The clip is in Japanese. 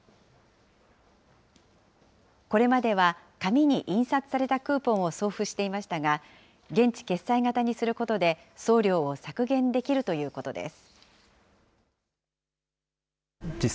これまでは紙に印刷されたクーポンを送付していましたが、現地決済型にすることで送料を削減できるということです。